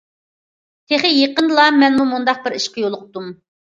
تېخى يېقىندىلا مەنمۇ مۇنداق بىر ئىشقا يولۇقتۇم.